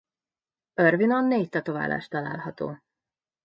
Irvine-on négy tetoválás található.